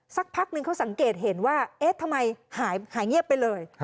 สักพักนึงเขาสังเกตเห็นว่าเอ๊ะทำไมหายเงียบไปเลย